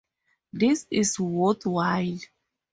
This is worth while.